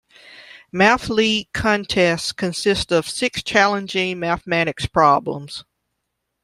Math League contests consist of six challenging mathematics problems.